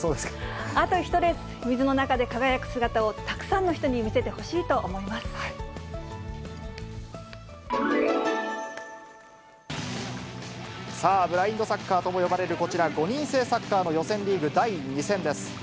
あと１レース、水の中で輝く姿をたくさんの人に見せてほしいと思さあ、ブラインドサッカーとも呼ばれるこちら、５人制サッカーの予選リーグ第２戦です。